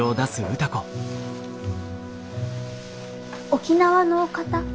沖縄の方？